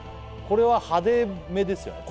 これは派手めですよね